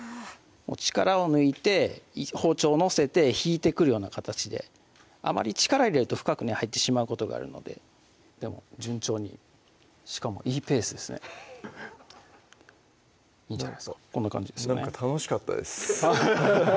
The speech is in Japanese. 力を抜いて包丁載せて引いてくるような形であまり力入れると深くね入ってしまうことがあるのででも順調にしかもいいペースですねなんか楽しかったです